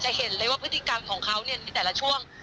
เห็นเลยว่าพฤติกรรมของเขาเนี่ยในแต่ละช่วง